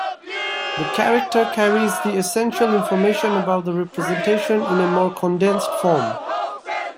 The character carries the essential information about the representation in a more condensed form.